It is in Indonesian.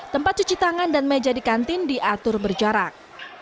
tempat cuci tangan dan meja di kantin diatur berjarak